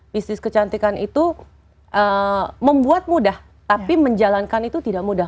bisnis kecantikan itu membuat mudah tapi menjalankan itu tidak mudah